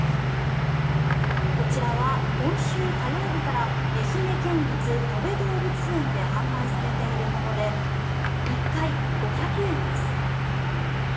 こちらは、今週火曜日から愛媛県立とべ動物園で販売されているもので１回５００円です。